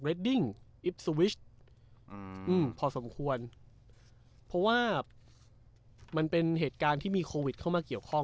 อืมพอสมควรเพราะว่ามันเป็นเหตุการณ์ที่มีโควิดเข้ามาเกี่ยวข้อง